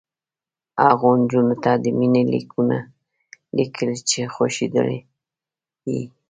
هغو نجونو ته د مینې لیکونه لیکل چې خوښېدلې یې